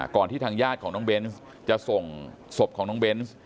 ที่ทางญาติของน้องเบนส์จะส่งศพของน้องเบนส์